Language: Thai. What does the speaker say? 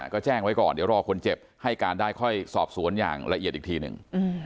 ก็แจ้งไว้ก่อนเดี๋ยวรอคนเจ็บให้การได้ค่อยสอบสวนอย่างละเอียดอีกทีหนึ่ง